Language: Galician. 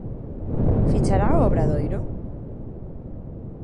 Fichará o Obradoiro?